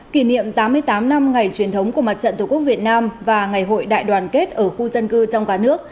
kỷ niệm tám mươi tám năm ngày truyền thống của mặt trận tổ quốc việt nam và ngày hội đại đoàn kết ở khu dân cư trong cả nước